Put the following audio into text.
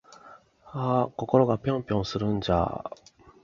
あぁ〜心がぴょんぴょんするんじゃぁ〜